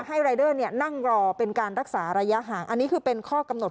รายเดอร์นั่งรอเป็นการรักษาระยะห่างอันนี้คือเป็นข้อกำหนด